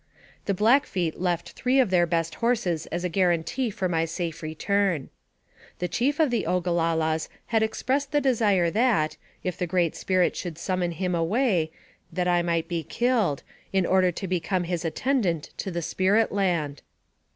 The Blackfeet left three of their best horses as a guarantee for my safe return. The chief of the Ogalallas had expressed the desire 174 NAKKATIVE OF CAPTIVITY that, if the Great Spirit should summon him away, that I might be killed, in order to become his attend ant to the spirit land.